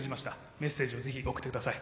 メッセージを送ってあげてください。